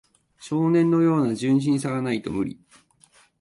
少年のような純真さがないと無理